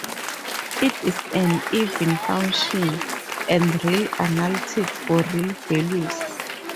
It is an even function, and real analytic for real values.